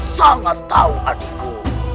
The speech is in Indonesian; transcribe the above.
sangat tahu adikku